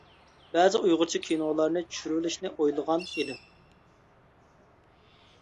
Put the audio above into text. بەزى ئۇيغۇرچە كىنولارنى چۈشۈرۈۋېلىشنى ئويلىغان ئىدىم.